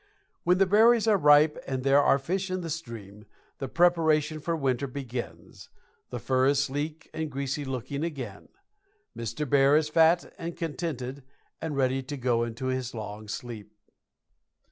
When the berries are ripe and there are fish in the streams, the preparation for winter begins, the fur is sleek and greasy looking again. Mr. Bear is fat and contented and ready to go into his long sleep.